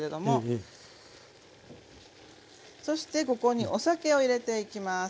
そしてここにお酒を入れていきます。